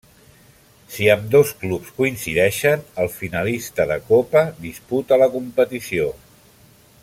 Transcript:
Si ambdós clubs coincideixen, el finalista de copa disputa la competició.